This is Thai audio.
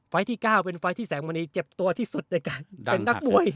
ที่๙เป็นไฟล์ที่แสงมณีเจ็บตัวที่สุดในการเป็นนักมวย